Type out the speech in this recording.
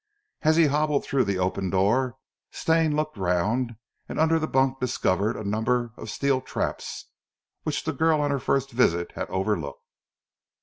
As he hobbled through the open door, Stane looked round, and under the bunk discovered a number of steel traps which the girl on her first visit had overlooked.